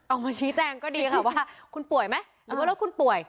ออกมาชี้แจงก็ดีค่ะว่าคุณป่วยไหมหรือว่าแล้วคุณป่วย